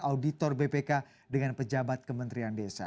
auditor bpk dengan pejabat kementerian desa